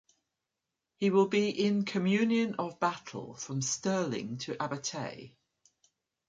He will be in communion of battle, from Stirling to Abertay.